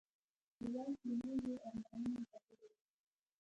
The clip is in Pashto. هېواد د لویو ارمانونو ټاټوبی دی.